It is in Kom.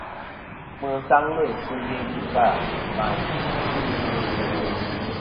Mi sangli si yeyn va layn.